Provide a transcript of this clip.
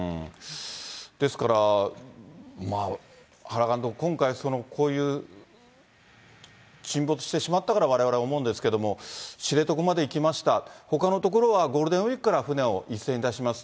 ですから、原監督、今回こういう沈没してしまったからわれわれ思うんですけども、知床まで行きました、ほかのところはゴールデンウィークから船を一斉に出します。